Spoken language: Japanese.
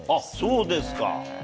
そうですか。